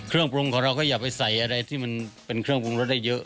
เครื่องปรุงของเราก็อย่าไปใส่อะไรที่มันเป็นเครื่องปรุงรสได้เยอะ